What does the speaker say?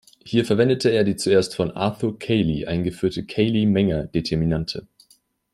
Hier verwendete er die zuerst von Arthur Cayley eingeführte Cayley-Menger-Determinante.